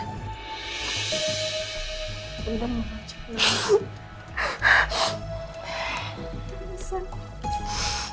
aku bener bener mau ajak nino